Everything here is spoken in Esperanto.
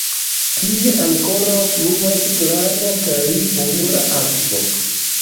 Tie ankoraŭ fluas klara kaj pura akvo.